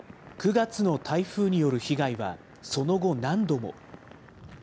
９月の台風による被害はその後、何度も。